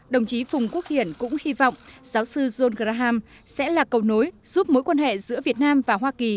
đồng chí phùng quốc hiển cũng hy vọng giáo sư john kraham sẽ là cầu nối giúp mối quan hệ giữa việt nam và hoa kỳ